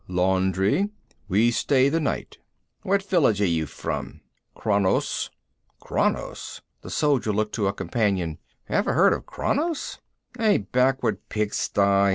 "Laundry. We stay the night." "What village are you from?" "Kranos." "Kranos?" The soldier looked to a companion. "Ever heard of Kranos?" "A backward pig sty.